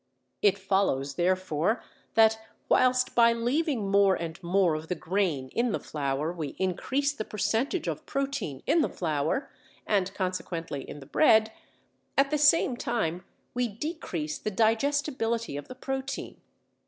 It follows, therefore, that whilst by leaving more and more of the grain in the flour we increase the percentage of protein in the flour, and consequently in the bread, at the same time we decrease the digestibility of the protein.